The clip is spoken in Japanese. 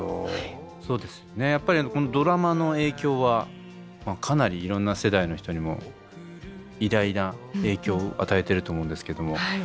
やっぱりドラマの影響はかなりいろんな世代の人にも偉大な影響を与えてると思うんですけれども。